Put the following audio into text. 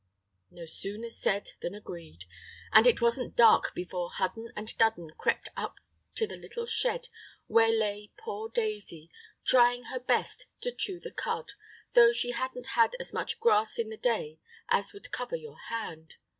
No sooner said than agreed; and it wasn't dark before Hudden and Dudden crept up to the little shed where lay poor Daisy, trying her best to chew the cud, though she hadn't had as much grass in the day as would cover your hand.